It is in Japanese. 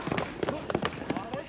あれ？